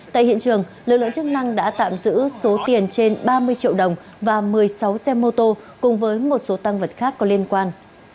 tại hiện trường lực lượng chức năng đã tạm giữ số tiền trên ba mươi triệu đồng và một mươi sáu xe mô tô cùng với một số tăng vật khác có liên quan